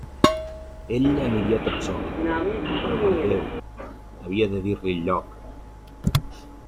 Ell aniria tot sol; però, per Déu!, havia de dir-li el lloc.